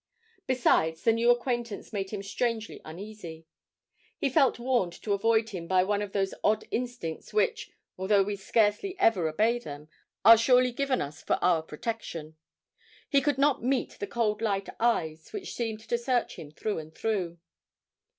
Besides, the new acquaintance made him strangely uneasy; he felt warned to avoid him by one of those odd instincts which (although we scarcely ever obey them) are surely given us for our protection; he could not meet the cold light eyes which seemed to search him through and through.